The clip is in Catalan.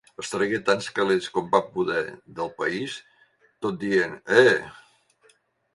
Extragué tants calés com va poder del país, tot dient “eh!” .